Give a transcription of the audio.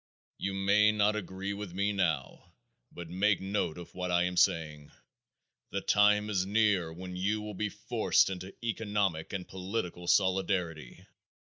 You may not agree with me now, but make note of what I am saying. The time is near when you will be forced into economic and political solidarity.